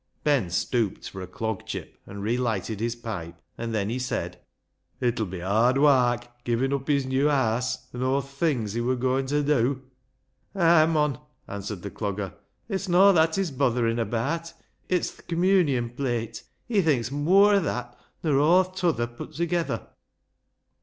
Ben stooped for a clog chip and relighted his pipe, and then he said— " It'll be hard wark givin' up his new haase an' aw th' things he wur goin' ta dew." " Hay, mon," answered the Clogger, " it's no' that he's botherin' abaat. It's th' Communion plate. lie thinks mooar o' that nor aw th' t'other put together."